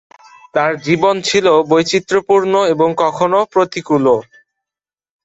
তার জীবন ছিল বৈচিত্র্যপূর্ণ এবং কখনো প্রতিকূলও।